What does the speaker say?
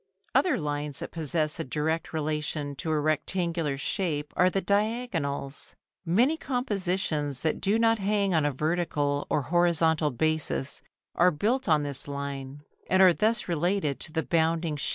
Other lines that possess a direct relation to a rectangular shape are the diagonals. Many compositions that do not hang on a vertical or horizontal basis are built on this line, and are thus related to the bounding shape.